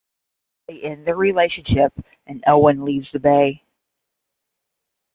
They end their relationship and Owen leaves the Bay.